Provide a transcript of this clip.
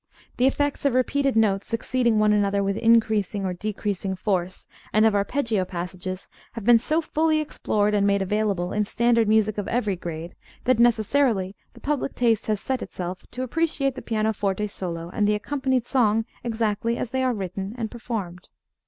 The effects of repeated notes succeeding one another with increasing or decreasing force, and of arpeggio passages, have been so fully explored and made available in standard music of every grade, that necessarily the public taste has set itself to appreciate the pianoforte solo and the accompanied song exactly as they are written and performed.